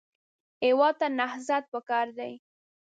هېواد ته نهضت پکار دی